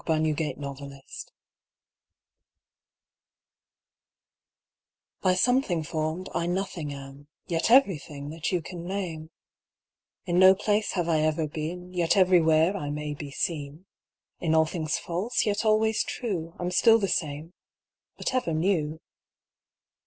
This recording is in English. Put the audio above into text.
ON A SHADOW IN A GLASS; By something form'd, I nothing am, Yet everything that you can name; In no place have I ever been, Yet everywhere I may be seen; In all things false, yet always true, I'm still the same but ever new.